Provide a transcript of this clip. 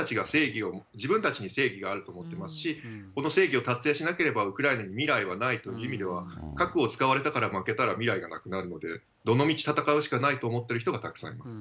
自分たちに正義があると思ってますし、この正義を達成しなければウクライナに未来がないという意味では、核を使われたから負けたら未来がなくなるんで、どのみち、戦うしかないと思ってる人はたくさんいます。